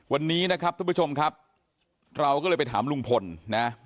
วันนี้นะครับทุกผู้ชมครับเราก็เลยไปถามลุงพลนะ